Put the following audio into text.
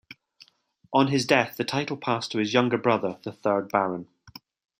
On his death the title passed to his younger brother, the third Baron.